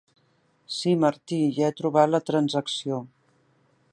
Sí, Martí, ja he trobat la transacció.